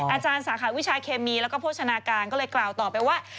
อาจารย์สาขาวิชาเคมีแล้วก็โภชนาการก็เลยกล่าวต่อไปว่า